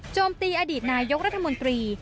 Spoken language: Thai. ตีอดีตนายกรัฐมนตรี